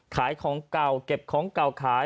ขายของเก่าเก็บของเก่าขาย